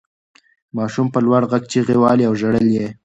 ماشوم په لوړ غږ چیغې وهلې او ژړل یې.